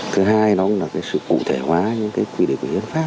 thứ hai nó cũng là cái sự cụ thể hóa những cái quy định của hiến pháp